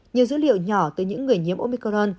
nhiều dữ liệu nhỏ từ những người nhiếm omicron